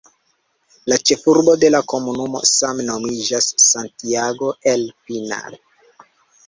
La ĉefurbo de la komunumo same nomiĝas "Santiago el Pinar".